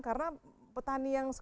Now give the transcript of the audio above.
karena petani yang